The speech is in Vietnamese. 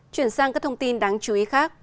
chuyển sang các thông tin đáng chú ý khác